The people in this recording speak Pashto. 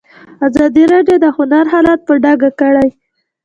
ازادي راډیو د هنر حالت په ډاګه کړی.